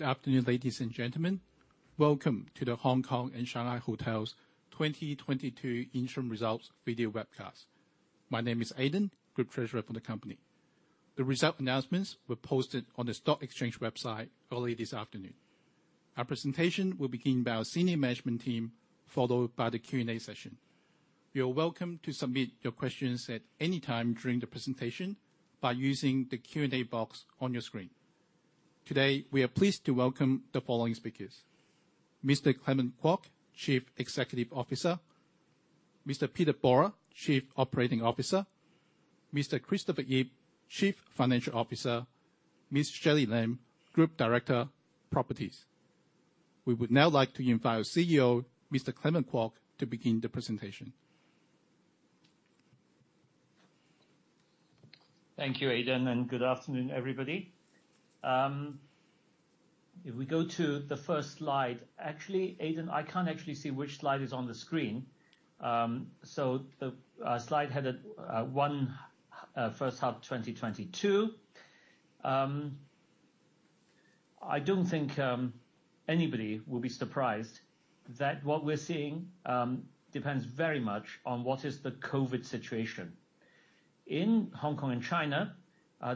Good afternoon, ladies and gentlemen. Welcome to The Hongkong and Shanghai Hotels 2022 interim results video webcast. My name is Aiden, group treasurer for the company. The result announcements were posted on the stock exchange website early this afternoon. Our presentation will begin by our senior management team, followed by the Q&A session. You are welcome to submit your questions at any time during the presentation by using the Q&A box on your screen. Today, we are pleased to welcome the following speakers: Mr. Clement Kwok, Chief Executive Officer, Mr. Peter Borer, Chief Operating Officer, Mr. Christopher Ip, Chief Financial Officer, Ms. Shirley Lam, Group Director, Properties. We would now like to invite our CEO, Mr. Clement Kwok, to begin the presentation. Thank you, Aiden, and good afternoon, everybody. If we go to the first slide. Actually, Aiden, I can't actually see which slide is on the screen. The slide headed one, H1 2022. I don't think anybody will be surprised that what we're seeing depends very much on what is the COVID situation. In Hong Kong and China,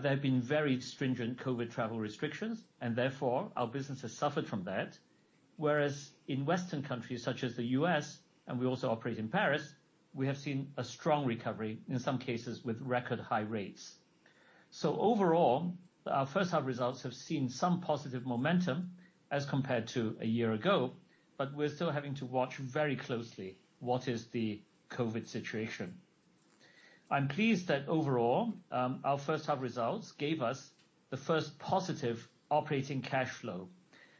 there have been very stringent COVID travel restrictions, and therefore our business has suffered from that. Whereas in Western countries such as the U.S., and we also operate in Paris, we have seen a strong recovery, in some cases with record high rates. Overall, our H1 results have seen some positive momentum as compared to a year ago, but we're still having to watch very closely what is the COVID situation. I'm pleased that overall, our H1 results gave us the first positive operating cash flow.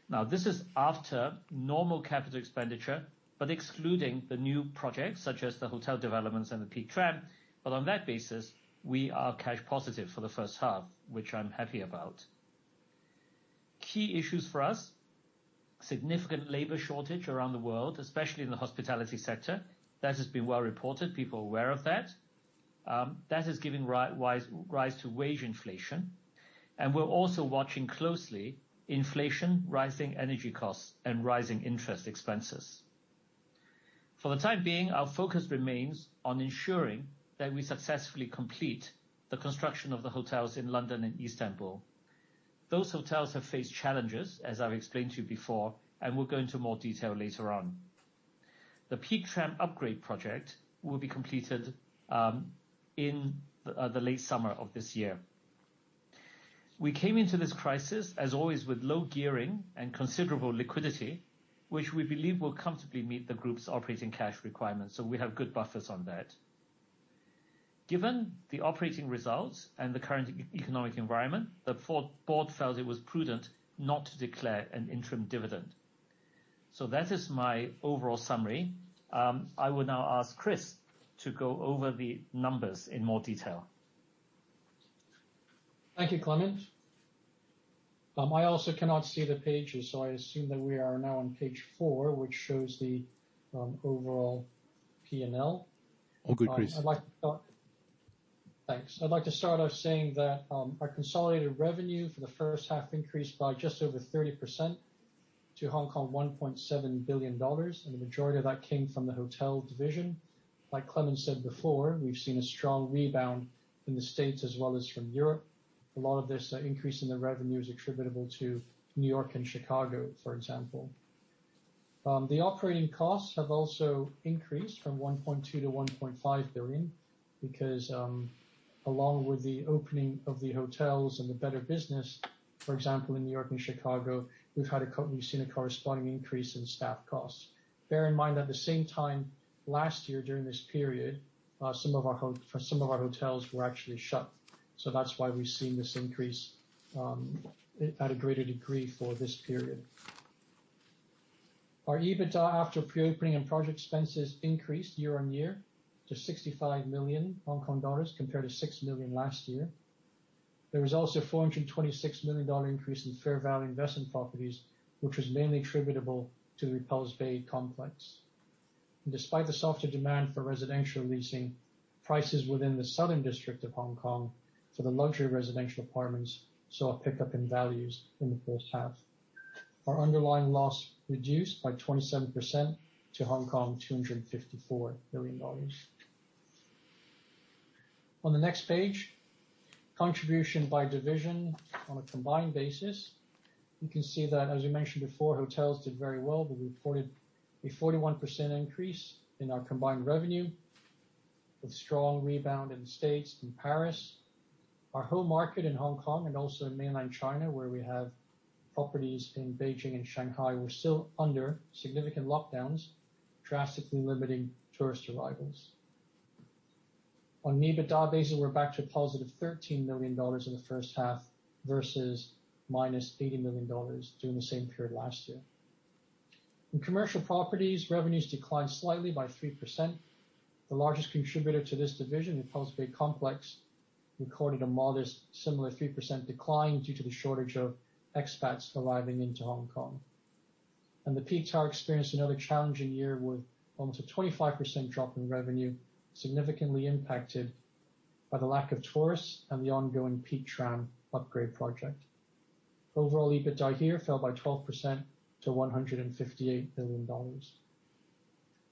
Now, this is after normal capital expenditure, but excluding the new projects such as the hotel developments and the Peak Tram. On that basis, we are cash positive for the H1, which I'm happy about. Key issues for us, significant labor shortage around the world, especially in the hospitality sector. That has been well reported. People are aware of that. That has given rise to wage inflation, and we're also watching closely inflation, rising energy costs, and rising interest expenses. For the time being, our focus remains on ensuring that we successfully complete the construction of the hotels in London and Istanbul. Those hotels have faced challenges, as I've explained to you before, and we'll go into more detail later on. The Peak Tram upgrade project will be completed in the late summer of this year. We came into this crisis, as always, with low gearing and considerable liquidity, which we believe will comfortably meet the group's operating cash requirements, so we have good buffers on that. Given the operating results and the current economic environment, the board felt it was prudent not to declare an interim dividend. That is my overall summary. I will now ask Chris to go over the numbers in more detail. Thank you, Clement. I also cannot see the pages, so I assume that we are now on page four, which shows the overall P&L. All good, Chris. Thanks. I'd like to start off saying that, our consolidated revenue for the H1 increased by just over 30% to 1.7 billion dollars, and the majority of that came from the hotel division. Like Clement said before, we've seen a strong rebound in the States as well as from Europe. A lot of this increase in the revenue is attributable to New York and Chicago, for example. The operating costs have also increased from 1.2 billion-1.5 billion because, along with the opening of the hotels and the better business, for example, in New York and Chicago, we've seen a corresponding increase in staff costs. Bear in mind, at the same time last year during this period, some of our hotels were actually shut. That's why we've seen this increase at a greater degree for this period. Our EBITDA after pre-opening and project expenses increased year-on-year to 65 million Hong Kong dollars compared to 6 million last year. There was also 426 million dollar increase in fair value investment properties, which was mainly attributable to The Repulse Bay Complex. Despite the softer demand for residential leasing, prices within the Southern District of Hong Kong for the luxury residential apartments saw a pickup in values in the H1. Our underlying loss reduced by 27% to 254 million Hong Kong dollars. On the next page, contribution by division on a combined basis. You can see that, as we mentioned before, hotels did very well. We reported a 41% increase in our combined revenue with strong rebound in the States and Paris. Our home market in Hong Kong and also in mainland China, where we have properties in Beijing and Shanghai, were still under significant lockdowns, drastically limiting tourist arrivals. On an EBITDA basis, we're back to a +13 million dollars in the H1 versus -80 million dollars during the same period last year. In commercial properties, revenues declined slightly by 3%. The largest contributor to this division, The Repulse Bay Complex, recorded a modest similar 3% decline due to the shortage of expats arriving into Hong Kong. The Peak Tower experienced another challenging year with almost a 25% drop in revenue, significantly impacted by the lack of tourists and the ongoing Peak Tram upgrade project. Overall, EBITDA here fell by 12% to 158 million dollars.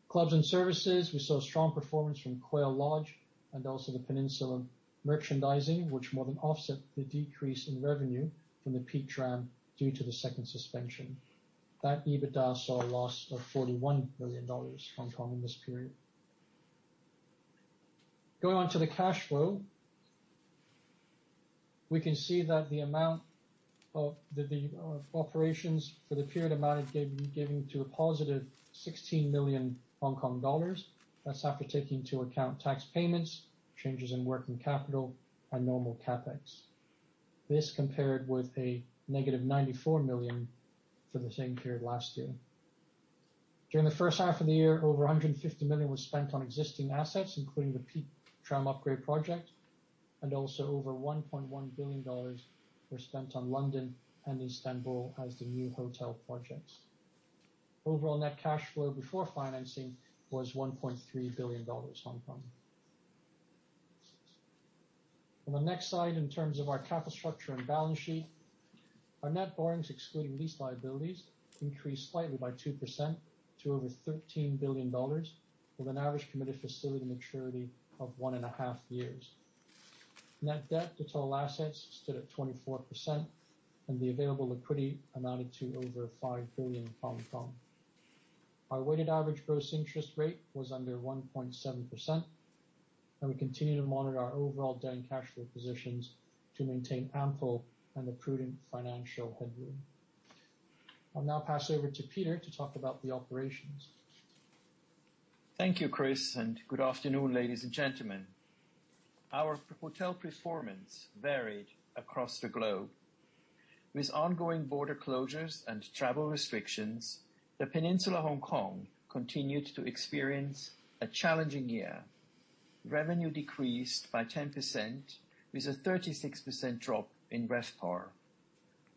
Clubs and services, we saw strong performance from Quail Lodge and also the Peninsula Merchandising, which more than offset the decrease in revenue from the Peak Tram due to the second suspension. That EBITDA saw a loss of 41 million dollars in this period. Going on to the cash flow. We can see that the amount of operations for the period amounted to a +16 million Hong Kong dollars. That's after taking into account tax payments, changes in working capital and normal CapEx. This compared with a -94 million for the same period last year. During the H1 of the year, over 150 million was spent on existing assets, including the Peak Tram upgrade project, and also over 1.1 billion dollars were spent on London and Istanbul as the new hotel projects. Overall net cash flow before financing was 1.3 billion dollars. On the next slide, in terms of our capital structure and balance sheet. Our net borrowings excluding lease liabilities increased slightly by 2% to over 13 billion dollars with an average committed facility maturity of 1.5 years. Net debt to total assets stood at 24%, and the available equity amounted to over 5 billion Hong Kong. Our weighted average gross interest rate was under 1.7%, and we continue to monitor our overall debt and cash flow positions to maintain ample and a prudent financial headroom. I'll now pass over to Peter to talk about the operations. Thank you, Chris, and good afternoon, ladies and gentlemen. Our hotel performance varied across the globe. With ongoing border closures and travel restrictions, The Peninsula Hong Kong continued to experience a challenging year. Revenue decreased by 10% with a 36% drop in RevPAR,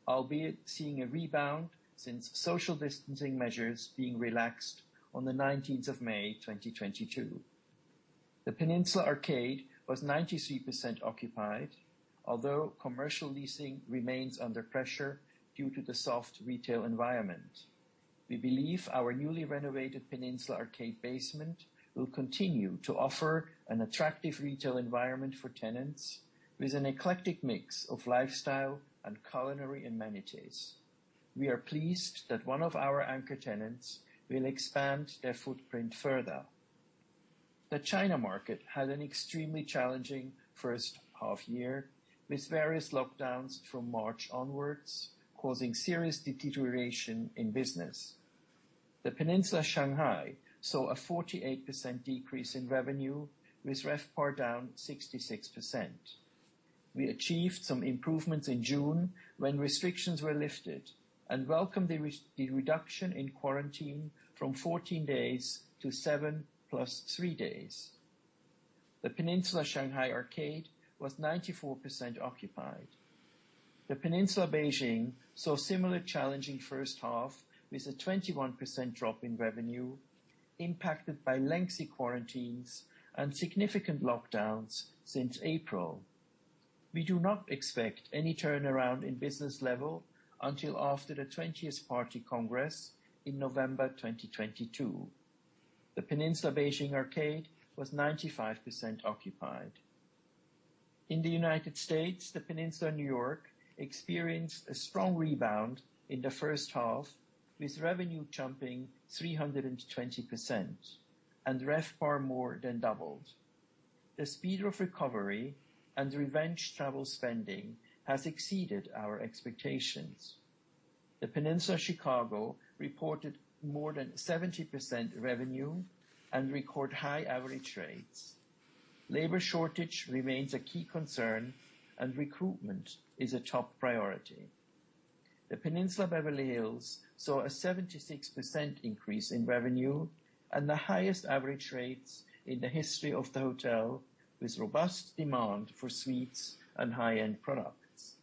albeit seeing a rebound since social distancing measures being relaxed on the 19th of May, 2022. The Peninsula Arcade was 93% occupied, although commercial leasing remains under pressure due to the soft retail environment. We believe our newly renovated Peninsula Arcade basement will continue to offer an attractive retail environment for tenants with an eclectic mix of lifestyle and culinary amenities. We are pleased that one of our anchor tenants will expand their footprint further. The China market had an extremely challenging H1 year with various lockdowns from March onwards, causing serious deterioration in business. The Peninsula Shanghai saw a 48% decrease in revenue, with RevPAR down 66%. We achieved some improvements in June when restrictions were lifted and welcomed the reduction in quarantine from 14 days-7 days+3 days. The Peninsula Shanghai Arcade was 94% occupied. The Peninsula Beijing saw similar challenging H1 with a 21% drop in revenue impacted by lengthy quarantines and significant lockdowns since April. We do not expect any turnaround in business level until after the 20th Party Congress in November 2022. The Peninsula Beijing Arcade was 95% occupied. In the United States, The Peninsula New York experienced a strong rebound in the H1, with revenue jumping 320% and RevPAR more than doubled. The speed of recovery and revenge travel spending has exceeded our expectations. The Peninsula Chicago reported more than 70% revenue and record high average rates. Labor shortage remains a key concern and recruitment is a top priority. The Peninsula Beverly Hills saw a 76% increase in revenue and the highest average rates in the history of the hotel, with robust demand for suites and high-end products.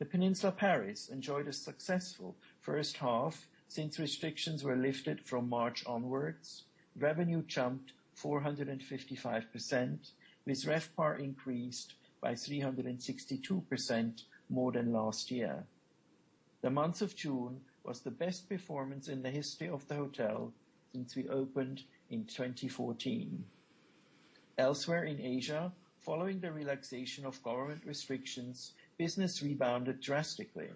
The Peninsula Paris enjoyed a successful H1 since restrictions were lifted from March onwards. Revenue jumped 455% with RevPAR increased by 362% more than last year. The month of June was the best performance in the history of the hotel since we opened in 2014. Elsewhere in Asia, following the relaxation of government restrictions, business rebounded drastically.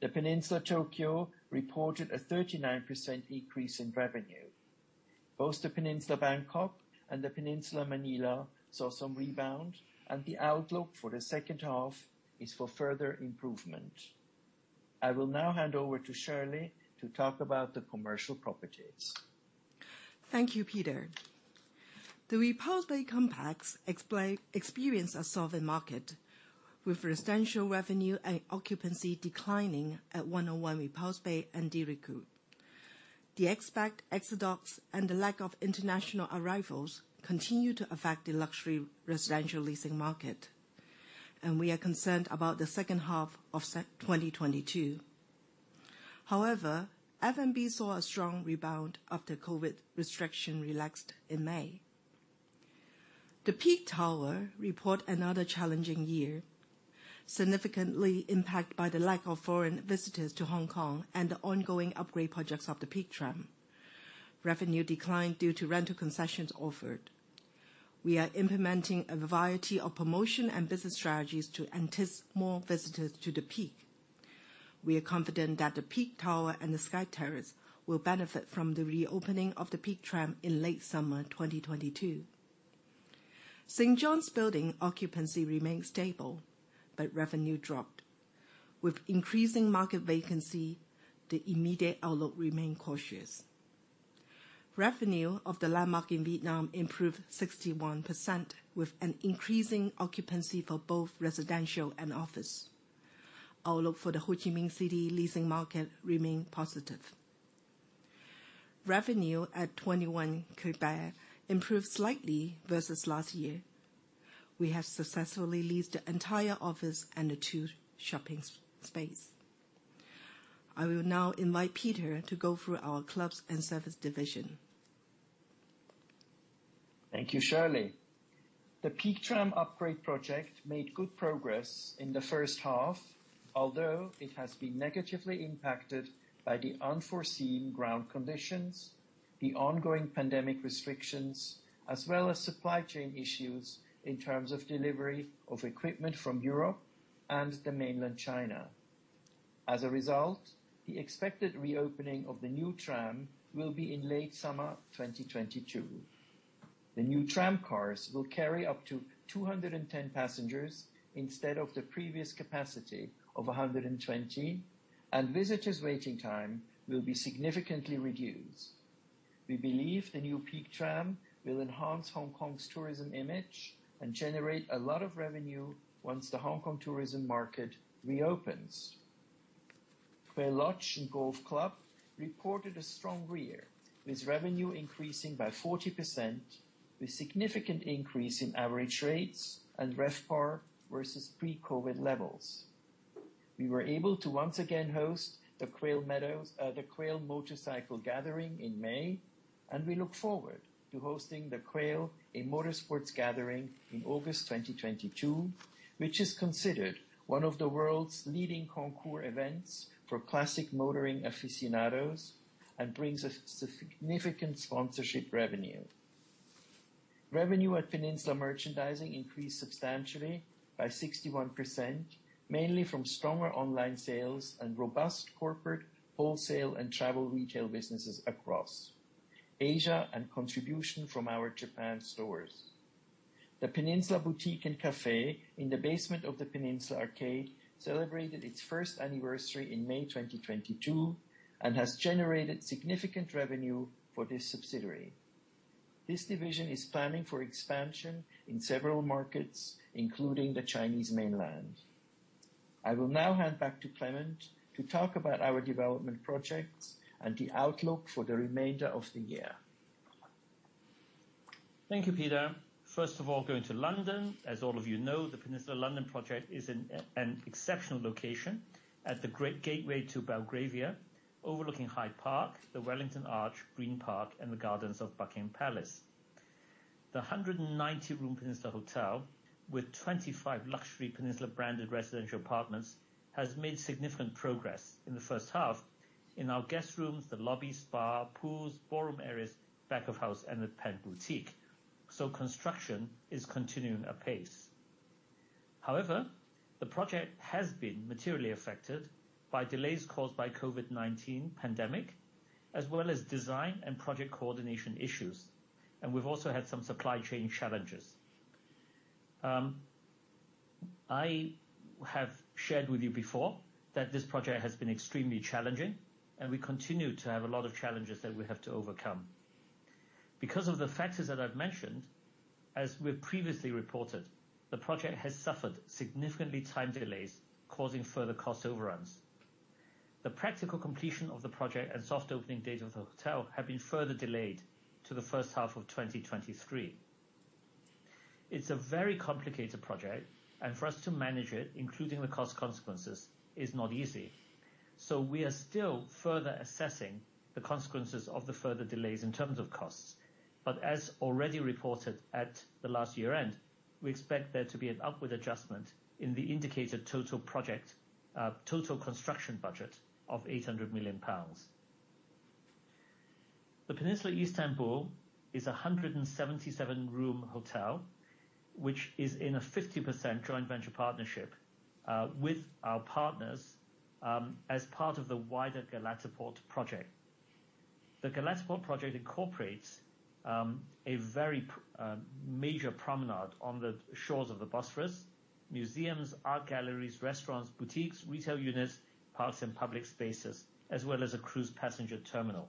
The Peninsula Tokyo reported a 39% increase in revenue. Both The Peninsula Bangkok and The Peninsula Manila saw some rebound, and the outlook for the H2 is for further improvement. I will now hand over to Shirley to talk about the commercial properties. Thank you, Peter. The Repulse Bay Complex experienced a softening market, with residential revenue and occupancy declining at 101 Repulse Bay and de Ricou. The expat exodus and the lack of international arrivals continue to affect the luxury residential leasing market, and we are concerned about the H2 of 2022. However, F&B saw a strong rebound after COVID restrictions relaxed in May. The Peak Tower reported another challenging year, significantly impacted by the lack of foreign visitors to Hong Kong and the ongoing upgrade projects of the Peak Tram. Revenue declined due to rental concessions offered. We are implementing a variety of promotion and business strategies to entice more visitors to The Peak. We are confident that The Peak Tower and the Sky Terrace will benefit from the reopening of the Peak Tram in late summer 2022. St. John's Building occupancy remained stable, but revenue dropped. With increasing market vacancy, the immediate outlook remain cautious. Revenue of the Landmark in Vietnam improved 61%, with an increasing occupancy for both residential and office. Outlook for the Ho Chi Minh City leasing market remain positive. Revenue at 21 avenue Kléber improved slightly versus last year. We have successfully leased the entire office and the two shopping space. I will now invite Peter to go through our clubs and service division. Thank you, Shirley. The Peak Tram upgrade project made good progress in the H1, although it has been negatively impacted by the unforeseen ground conditions, the ongoing pandemic restrictions, as well as supply chain issues in terms of delivery of equipment from Europe and the mainland China. As a result, the expected reopening of the new tram will be in late summer 2022. The new tramcars will carry up to 210 passengers instead of the previous capacity of 120, and visitors' waiting time will be significantly reduced. We believe the new Peak Tram will enhance Hong Kong's tourism image and generate a lot of revenue once the Hong Kong tourism market reopens. Quail Lodge & Golf Club reported a strong year, with revenue increasing by 40%, with significant increase in average rates and RevPAR versus pre-COVID levels. We were able to once again host the Quail Motorcycle Gathering in May, and we look forward to hosting the Quail, A Motorsports Gathering, in August 2022, which is considered one of the world's leading concours events for classic motoring aficionados and brings us significant sponsorship revenue. Revenue at Peninsula Merchandising increased substantially by 61%, mainly from stronger online sales and robust corporate, wholesale, and travel retail businesses across Asia, and contribution from our Japan stores. The Peninsula Boutique & Café in the basement of The Peninsula Arcade celebrated its first anniversary in May 2022 and has generated significant revenue for this subsidiary. This division is planning for expansion in several markets, including the Chinese mainland. I will now hand back to Clement to talk about our development projects and the outlook for the remainder of the year. Thank you, Peter. First of all, going to London. As all of you know, The Peninsula London project is in an exceptional location at the great gateway to Belgravia, overlooking Hyde Park, the Wellington Arch, Green Park, and the gardens of Buckingham Palace. The 190-room Peninsula hotel, with 25 luxury Peninsula-branded residential apartments, has made significant progress in the H1 in our guest rooms, the lobby, spa, pools, ballroom areas, back of house, and The Pen Boutique. Construction is continuing apace. However, the project has been materially affected by delays caused by COVID-19 pandemic, as well as design and project coordination issues. We've also had some supply chain challenges. I have shared with you before that this project has been extremely challenging, and we continue to have a lot of challenges that we have to overcome. Because of the factors that I've mentioned, as we've previously reported, the project has suffered significant time delays, causing further cost overruns. The practical completion of the project and soft opening date of the hotel have been further delayed to the H1 of 2023. It's a very complicated project, and for us to manage it, including the cost consequences, is not easy. We are still further assessing the consequences of the further delays in terms of costs. As already reported at the last year-end, we expect there to be an upward adjustment in the indicated total construction budget of 800 million pounds. The Peninsula Istanbul is a 177-room hotel, which is in a 50% joint venture partnership with our partners, as part of the wider Galataport project. The Galataport project incorporates a very major promenade on the shores of the Bosphorus, museums, art galleries, restaurants, boutiques, retail units, parks, and public spaces, as well as a cruise passenger terminal.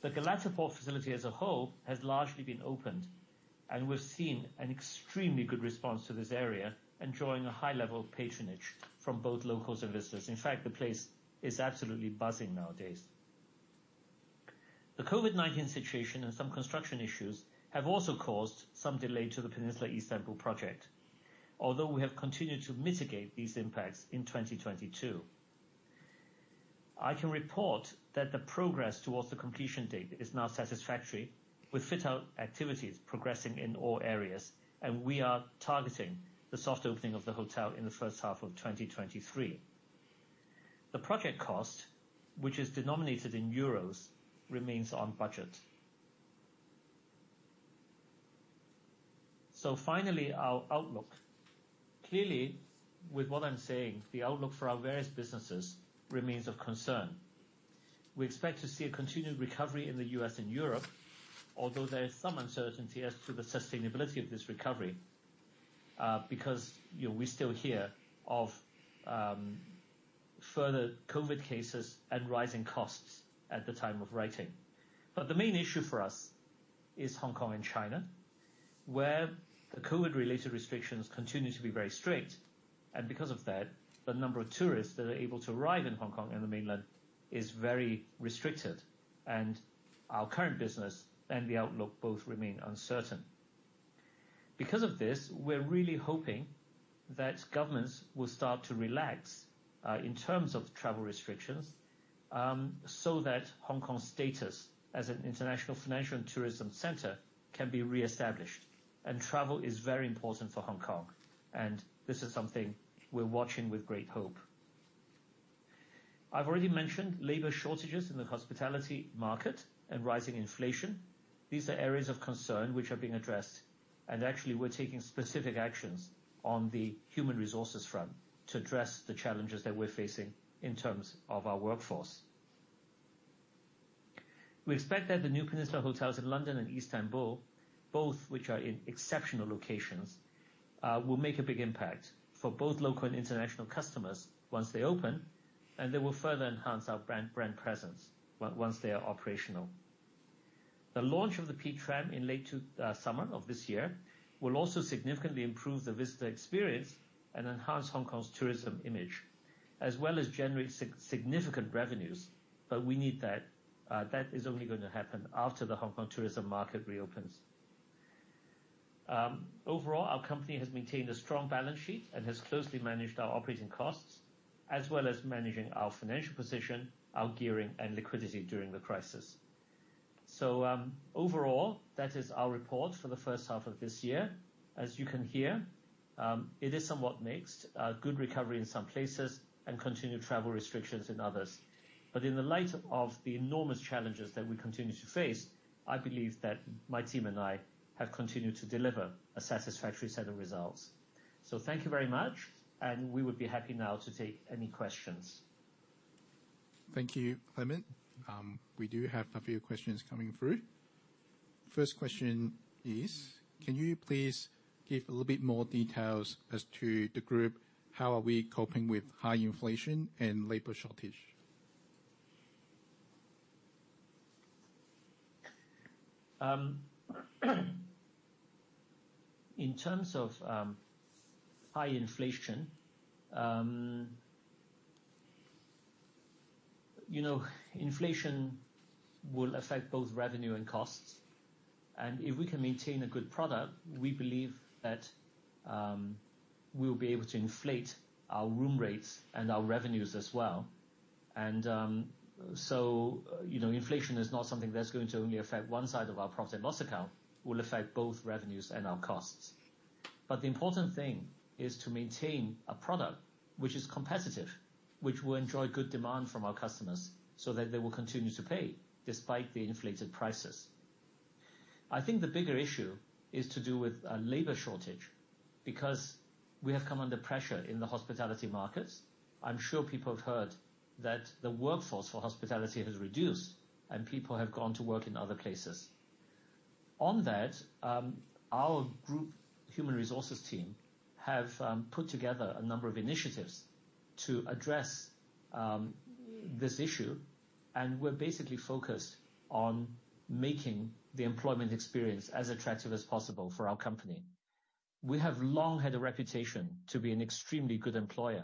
The Galataport facility as a whole has largely been opened, and we're seeing an extremely good response to this area, enjoying a high level of patronage from both locals and visitors. In fact, the place is absolutely buzzing nowadays. The COVID-19 situation and some construction issues have also caused some delay to The Peninsula Istanbul project, although we have continued to mitigate these impacts in 2022. I can report that the progress towards the completion date is now satisfactory with fit-out activities progressing in all areas, and we are targeting the soft opening of the hotel in the H1 of 2023. The project cost, which is denominated in euros, remains on budget. Finally, our outlook. Clearly, with what I'm saying, the outlook for our various businesses remains of concern. We expect to see a continued recovery in the U.S. and Europe, although there is some uncertainty as to the sustainability of this recovery, because, you know, we still hear of further COVID cases and rising costs at the time of writing. The main issue for us is Hong Kong and China, where the COVID related restrictions continue to be very strict, and because of that, the number of tourists that are able to arrive in Hong Kong and the mainland is very restricted. Our current business and the outlook both remain uncertain. Because of this, we're really hoping that governments will start to relax in terms of travel restrictions, so that Hong Kong's status as an international financial and tourism center can be reestablished. Travel is very important for Hong Kong, and this is something we're watching with great hope. I've already mentioned labor shortages in the hospitality market and rising inflation. These are areas of concern which are being addressed. Actually, we're taking specific actions on the human resources front to address the challenges that we're facing in terms of our workforce. We expect that the new Peninsula hotels in London and Istanbul, both which are in exceptional locations, will make a big impact for both local and international customers once they open, and they will further enhance our brand presence once they are operational. The launch of the Peak Tram in late summer of this year will also significantly improve the visitor experience and enhance Hong Kong's tourism image, as well as generate significant revenues, but we need that. That is only gonna happen after the Hong Kong tourism market reopens. Overall, our company has maintained a strong balance sheet and has closely managed our operating costs, as well as managing our financial position, our gearing and liquidity during the crisis. Overall, that is our report for the H1 of this year. As you can hear, it is somewhat mixed, good recovery in some places and continued travel restrictions in others. In the light of the enormous challenges that we continue to face, I believe that my team and I have continued to deliver a satisfactory set of results. Thank you very much, and we would be happy now to take any questions. Thank you, Clement. We do have a few questions coming through. First question is, can you please give a little bit more details as to the group, how are we coping with high inflation and labor shortage? In terms of high inflation, you know, inflation will affect both revenue and costs. If we can maintain a good product, we believe that we will be able to inflate our room rates and our revenues as well. You know, inflation is not something that's going to only affect one side of our profit and loss account. Will affect both revenues and our costs. The important thing is to maintain a product which is competitive, which will enjoy good demand from our customers so that they will continue to pay despite the inflated prices. I think the bigger issue is to do with labor shortage, because we have come under pressure in the hospitality markets. I'm sure people have heard that the workforce for hospitality has reduced, and people have gone to work in other places. On that, our group human resources team have put together a number of initiatives to address this issue, and we're basically focused on making the employment experience as attractive as possible for our company. We have long had a reputation to be an extremely good employer,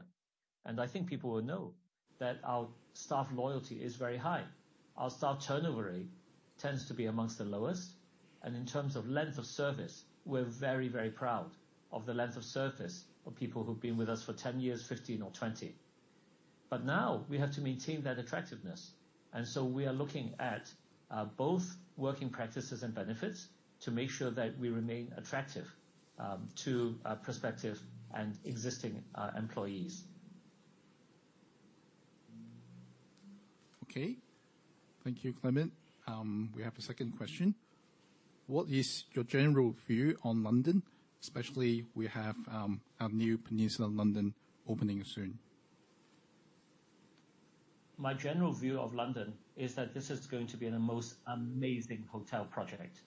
and I think people will know that our staff loyalty is very high. Our staff turnover rate tends to be among the lowest. In terms of length of service, we're very, very proud of the length of service of people who've been with us for 10 years, 15 or 20. But now we have to maintain that attractiveness. We are looking at both working practices and benefits to make sure that we remain attractive to prospective and existing employees. Okay. Thank you, Clement. We have a second question. What is your general view on London, especially we have our new The Peninsula London opening soon? My general view of London is that this is going to be the most amazing hotel project.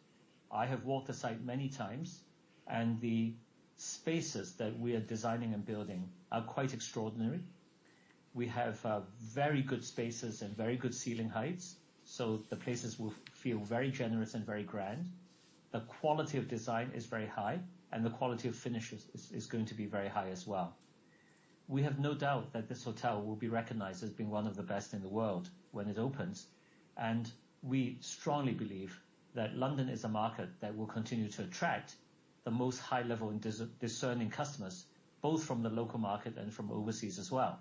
I have walked the site many times, and the spaces that we are designing and building are quite extraordinary. We have very good spaces and very good ceiling heights, so the places will feel very generous and very grand. The quality of design is very high, and the quality of finishes is going to be very high as well. We have no doubt that this hotel will be recognized as being one of the best in the world when it opens, and we strongly believe that London is a market that will continue to attract the most high level and discerning customers, both from the local market and from overseas as well.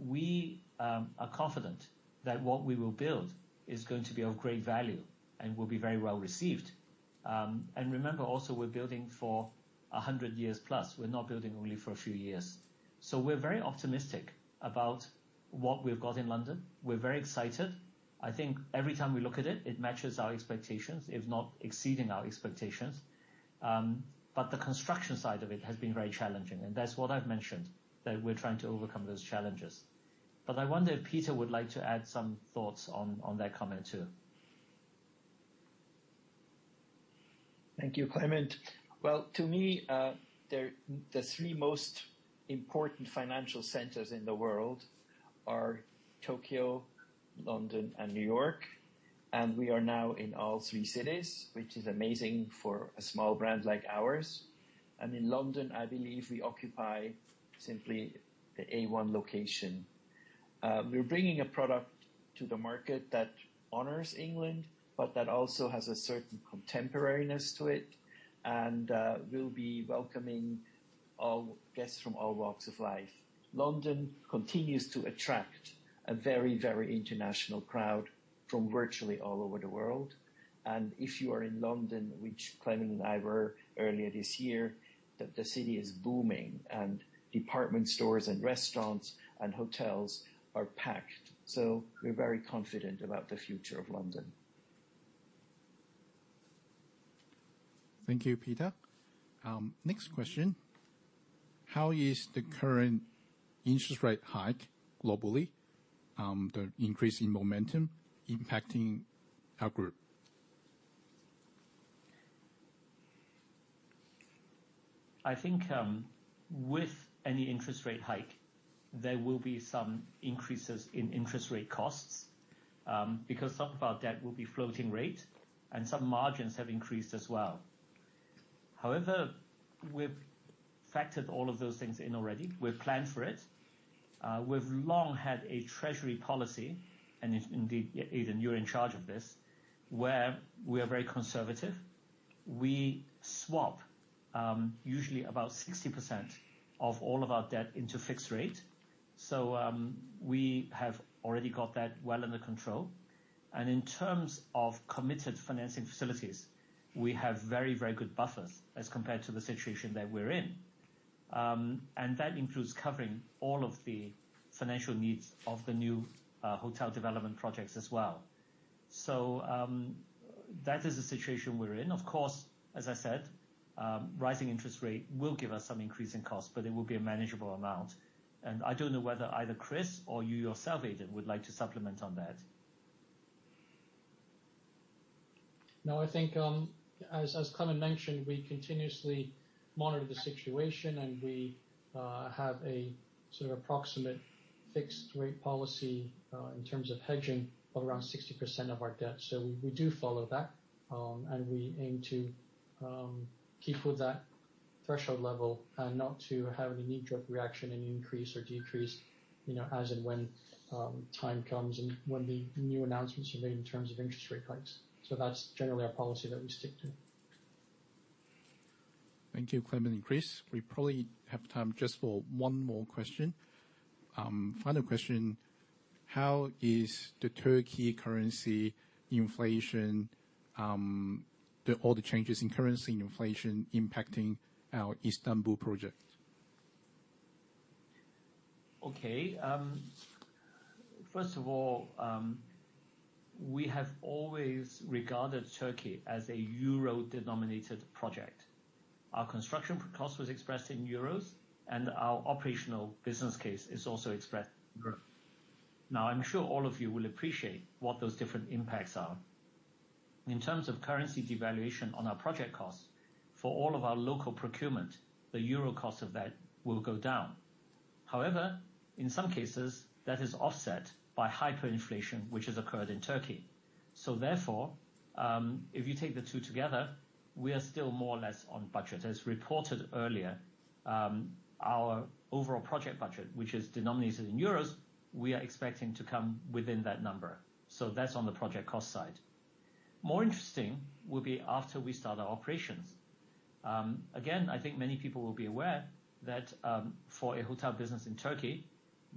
We are confident that what we will build is going to be of great value and will be very well-received. Remember also, we're building for 100 years plus. We're not building only for a few years. We're very optimistic about what we've got in London. We're very excited. I think every time we look at it matches our expectations, if not exceeding our expectations. The construction side of it has been very challenging, and that's what I've mentioned, that we're trying to overcome those challenges. I wonder if Peter would like to add some thoughts on that comment too. Thank you, Clement. Well, to me, the three most important financial centers in the world are Tokyo, London, and New York, and we are now in all three cities, which is amazing for a small brand like ours. In London, I believe we occupy simply the A-one location. We're bringing a product to the market that honors England, but that also has a certain contemporariness to it, and we'll be welcoming all guests from all walks of life. London continues to attract a very, very international crowd from virtually all over the world. If you are in London, which Clement and I were earlier this year, the city is booming and department stores and restaurants and hotels are packed. We're very confident about the future of London. Thank you, Peter. Next question. How is the current interest rate hike globally, the increase in momentum impacting our group? I think, with any interest rate hike, there will be some increases in interest rate costs, because some of our debt will be floating rate and some margins have increased as well. However, we've factored all of those things in already. We've planned for it. We've long had a treasury policy, and indeed, Aiden, you're in charge of this, where we are very conservative. We swap, usually about 60% of all of our debt into fixed rate. We have already got that well under control. In terms of committed financing facilities, we have very, very good buffers as compared to the situation that we're in. That includes covering all of the financial needs of the new, hotel development projects as well. That is the situation we're in. Of course, as I said, rising interest rate will give us some increase in costs, but it will be a manageable amount. I don't know whether either Chris or you yourself, Aiden, would like to supplement on that. No, I think, as Clement mentioned, we continuously monitor the situation, and we have a sort of approximate fixed rate policy in terms of hedging around 60% of our debt. So we do follow that, and we aim to keep with that threshold level and not to have any knee-jerk reaction and increase or decrease, you know, as and when time comes and when the new announcements are made in terms of interest rate hikes. So that's generally our policy that we stick to. Thank you, Clement and Chris. We probably have time just for one more question. Final question. How is the Turkish currency inflation, all the changes in currency and inflation impacting our Istanbul project? First of all, we have always regarded Turkey as a euro-denominated project. Our construction cost was expressed in euros, and our operational business case is also expressed in euro. Now, I'm sure all of you will appreciate what those different impacts are. In terms of currency devaluation on our project costs, for all of our local procurement, the euro cost of that will go down. However, in some cases, that is offset by hyperinflation, which has occurred in Turkey. Therefore, if you take the two together, we are still more or less on budget. As reported earlier, our overall project budget, which is denominated in euros, we are expecting to come within that number. That's on the project cost side. More interesting will be after we start our operations. Again, I think many people will be aware that, for a hotel business in Turkey,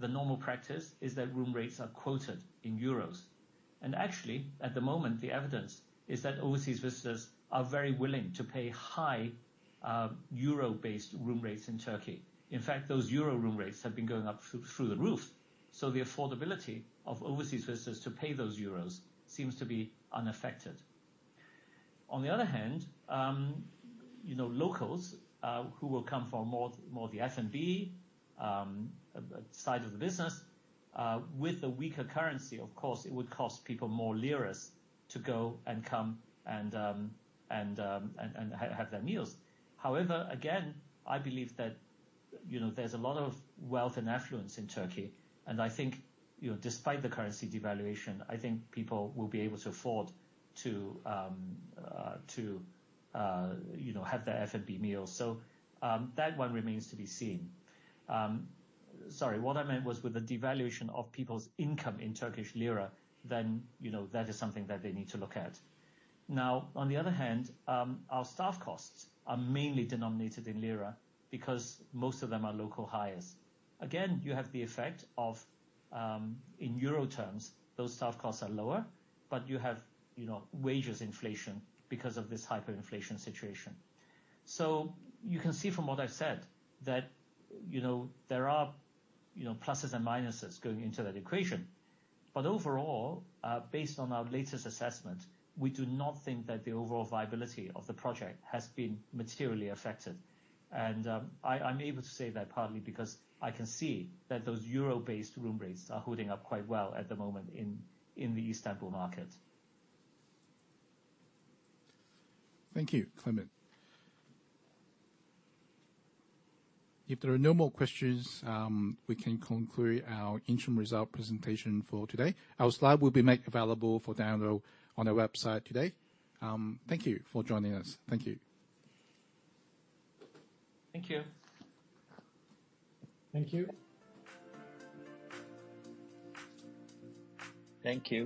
the normal practice is that room rates are quoted in euros. Actually, at the moment, the evidence is that overseas visitors are very willing to pay high, euro-based room rates in Turkey. In fact, those euro room rates have been going up through the roof, so the affordability of overseas visitors to pay those euros seems to be unaffected. On the other hand, you know, locals, who will come for more the F&B side of the business, with the weaker currency, of course, it would cost people more liras to go and come and have their meals. However, again, I believe that, you know, there's a lot of wealth and affluence in Turkey, and I think, you know, despite the currency devaluation, I think people will be able to afford to you know have their F&B meals. That one remains to be seen. Sorry. What I meant was with the devaluation of people's income in Turkish lira, then, you know, that is something that they need to look at. Now, on the other hand, our staff costs are mainly denominated in lira because most of them are local hires. Again, you have the effect of, in euro terms, those staff costs are lower, but you have, you know, wages inflation because of this hyperinflation situation. You can see from what I've said that, you know, there are, you know, pluses and minuses going into that equation. Overall, based on our latest assessment, we do not think that the overall viability of the project has been materially affected. I'm able to say that partly because I can see that those euro-based room rates are holding up quite well at the moment in the Istanbul market. Thank you, Clement. If there are no more questions, we can conclude our interim result presentation for today. Our slides will be made available for download on our website today. Thank you for joining us. Thank you. Thank you. Thank you. Thank you.